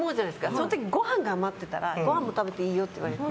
その時にご飯が余ってたらご飯も食べていいよって言われて。